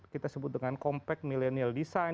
kita sebut dengan compact millennial design